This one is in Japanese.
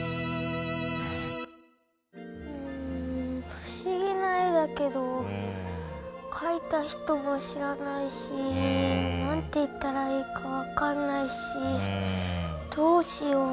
不思議な絵だけどかいた人も知らないし何て言ったらいいか分かんないしどうしよう。